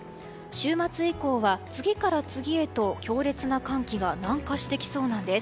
週末以降は次から次へと強烈な寒気が南下してきそうなんです。